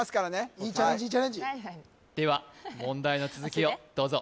いいチャレンジいいチャレンジでは問題の続きをどうぞ